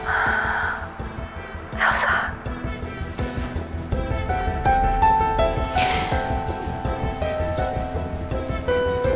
apakah sampai dia juga